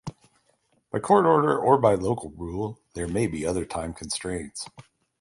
By court order, or by local rule, there may be other time constraints.